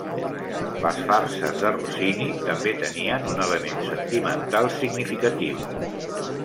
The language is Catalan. Les farses de Rossini també tenien un element sentimental significatiu.